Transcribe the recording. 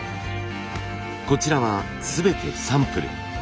こちらは全てサンプル。